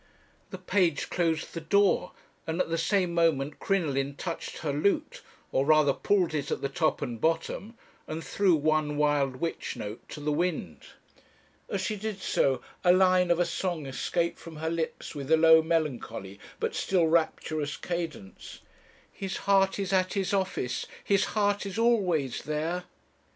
The page closed the door, and at the same moment Crinoline touched her lute, or rather pulled it at the top and bottom, and threw one wild witch note to the wind. As she did so, a line of a song escaped from her lips with a low, melancholy, but still rapturous cadence 'His heart is at his office, his heart is always there.'